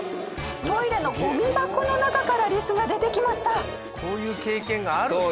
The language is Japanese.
トイレのゴミ箱の中からリスが出てきました。